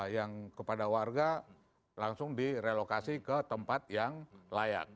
yang kepada warga langsung direlokasi ke tempat yang layak